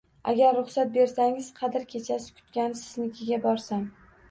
Agar ruhsat bersangiz qadr kechasini kutgani siznikiga borsam